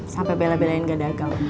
sampai bela belain ke dagang